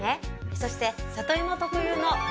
そして里芋特有の。